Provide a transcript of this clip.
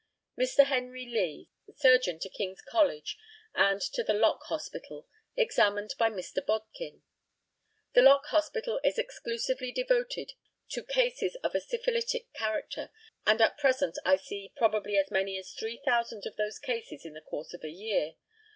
Mr. HENRY LEE, surgeon to King's College, and to the Lock Hospital, examined by Mr. BODKIN: The Lock Hospital is exclusively devoted to cases of a syphilitic character, and at present I see probably as many as 3,000 of those cases in the course of a year.